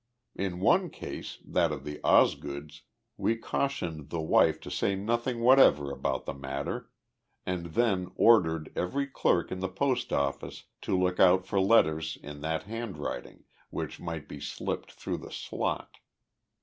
In one case that of the Osgoods we cautioned the wife to say nothing whatever about the matter, and then ordered every clerk in the post office to look out for letters in that handwriting which might be slipped through the slot.